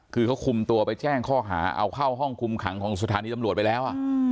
คือเขาคุมตัวไปแจ้งข้อหาเอาเข้าห้องคุมขังของสถานีตำรวจไปแล้ว